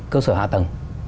cơ sở hạ tầng